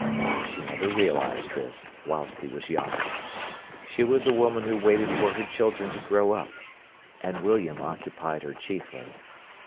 She never realised this, whilst he was young. She was a woman who waited for her children to grow up. And William occupied her chiefly.